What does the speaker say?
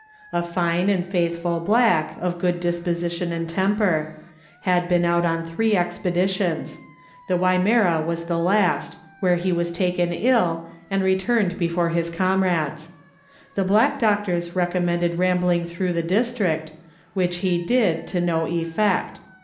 A fine and faithful black, of good disposition and temper ; had been out on three Letters from Victorian Pioneers. 75 expeditions ; the Wimmera was the last, where he was taken ill, and returned before his comrades. The black doctors recom mended rambling through the district, which he did, to no effect.